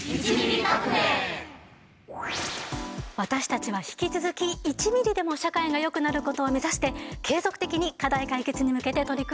私たちは引き続き１ミリでも社会がよくなることを目指して継続的に課題解決に向けて取り組んでいきます。